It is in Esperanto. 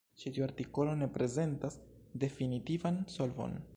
Ĉi tiu artikolo ne prezentas definitivan solvon.